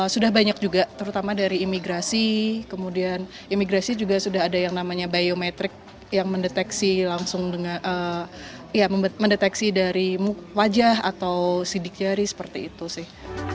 sudah banyak juga terutama dari imigrasi kemudian imigrasi juga sudah ada yang namanya biometrik yang mendeteksi langsung dengan mendeteksi dari wajah atau sidik jari seperti itu sih